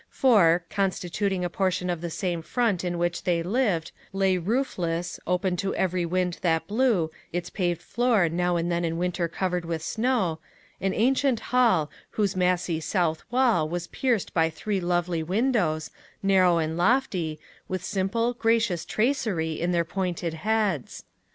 For, constituting a portion of the same front in which they lived, lay roofless, open to every wind that blew, its paved floor now and then in winter covered with snow an ancient hall, whose massy south wall was pierced by three lovely windows, narrow and lofty, with simple, gracious tracery in their pointed heads.